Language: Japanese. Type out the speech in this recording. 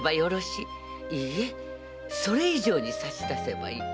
いいえそれ以上に差し出せばいい。